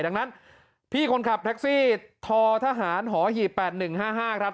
ดังนั้นพี่คนขับแท็กซี่ททหารหอหีบ๘๑๕๕ครับ